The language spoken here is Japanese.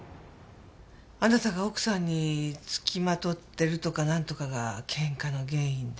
あなたが奥さんにつきまとってるとかなんとかがケンカの原因で。